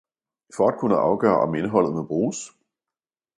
For at kunne afgøre om indholdet må bruges